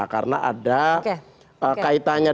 karena ada kaitannya